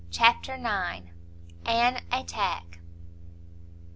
CHAPTER ix. AN ATTACK.